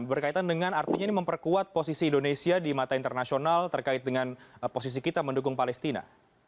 berkaitan dengan artinya ini memperkuat posisi indonesia di mata internasional terkait dengan posisi kita mendukung palestina